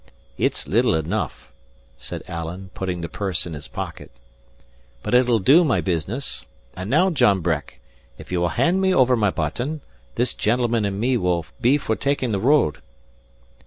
"It's little enough," said Alan, putting the purse in his pocket, "but it'll do my business. And now, John Breck, if ye will hand me over my button, this gentleman and me will be for taking the road."